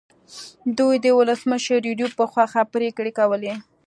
دوی د ولسمشر یوریب په خوښه پرېکړې کولې.